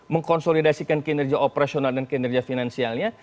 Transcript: mengkonsolidasikan kinerja operasional dan kinerja finansialnya